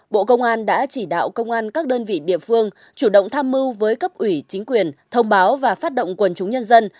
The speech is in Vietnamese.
bộ công an đã chỉ đạo công an các đơn vị địa phương chủ động tham mưu với cấp ủy chính quyền thông báo và phát động quần chúng nhân dân